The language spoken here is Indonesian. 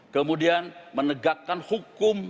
kemudian menegakkan hukum